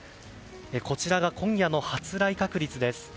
こちらが今夜の発雷確率です。